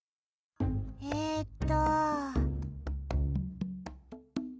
えっと。